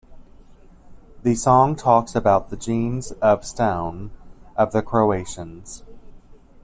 The song talks about the "genes of stone" of the Croatians.